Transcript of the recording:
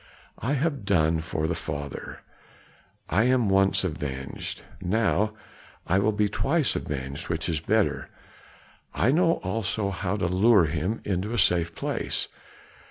"I have done for the father, I am once avenged; now I will be twice avenged, which is better. I know also how to lure him into a safe place.